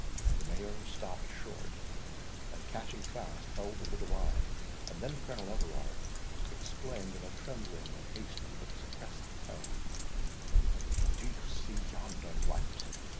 The Mayor stopt short, and catching fast hold of the divine, and then of Colonel Everard, exclaimed, in a trembling and hasty, but suppressed tone, "Do you see yonder light?"